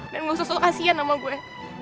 dan gak usah sok kasihan sama gue